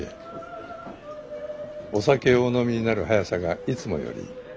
お酒をお飲みになる速さがいつもより。